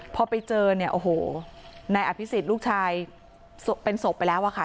พอไปเจอเนี่ยโอ้โหนายอภิษฎลูกชายเป็นศพไปแล้วอะค่ะ